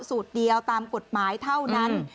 สูตรเดียวตามกฎหมายเท่านั้น